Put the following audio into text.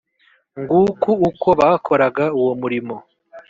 Ng’uku uko bakoraga uwo murimo